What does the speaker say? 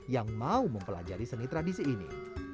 yang mau mempelajari seni tradisi ini